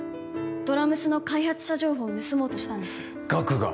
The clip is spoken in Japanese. ドラ娘の開発者情報を盗もうとしたんですガクが？